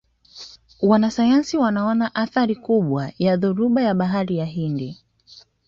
wanasayansi wanaona athari kubwa ya dhoruba ya bahari ya hindi